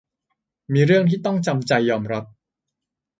มีเรื่องที่ต้องจำใจยอมรับ